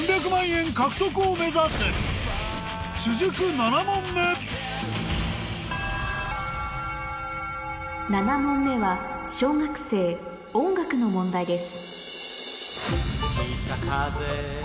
７問目７問目は小学生の問題です